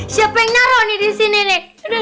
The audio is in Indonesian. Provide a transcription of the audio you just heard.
siapa yang naruh nih di sini nih